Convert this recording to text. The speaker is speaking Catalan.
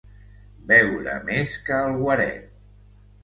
Beure més que el guaret.